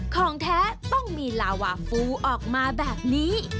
ของแท้ต้องมีลาวาฟูออกมาแบบนี้